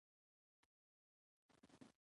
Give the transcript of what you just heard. سپي ځینې وخت ناروغ شي.